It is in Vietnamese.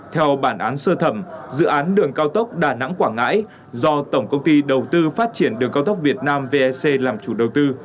theo bản án sơ thẩm dự án đường cao tốc đà nẵng quảng ngãi do tổng công ty đầu tư phát triển đường cao tốc việt nam vec làm chủ đầu tư